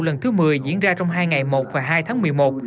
lần thứ một mươi diễn ra trong hai ngày một và hai tháng một mươi một